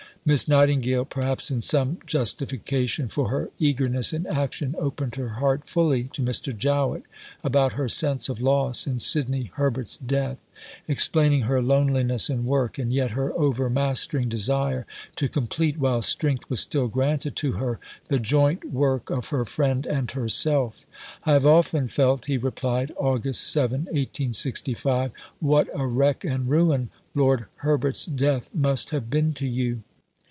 Miss Nightingale, perhaps in some justification for her eagerness in action, opened her heart fully to Mr. Jowett about her sense of loss in Sidney Herbert's death; explaining her loneliness in work, and yet her overmastering desire to complete, while strength was still granted to her, the "joint work" of her friend and herself. "I have often felt," he replied (Aug. 7, 1865), "what a wreck and ruin Lord Herbert's death must have been to you.